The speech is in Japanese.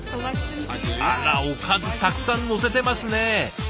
あらおかずたくさんのせてますねえ。